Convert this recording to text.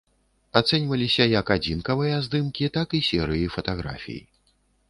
Ацэньваліся як адзінкавыя здымкі, так і серыі фатаграфій.